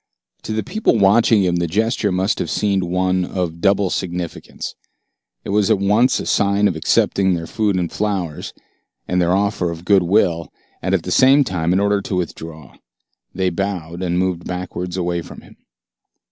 To the people watching him the gesture must have seemed one of double significance. It was at once a sign of acceptance of their food and flowers, and their offer of good will, and at the same time an order to withdraw. They bowed, and moved backwards away from him.